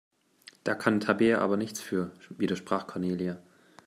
Da kann Tabea aber nichts für, widersprach Cornelia.